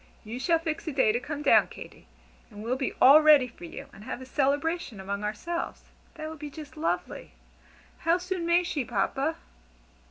You shall fix a day to come down, Katy, and we'll be all ready for you, and have a 'celebration' among ourselves. That would be just lovely! How soon may she, Papa?"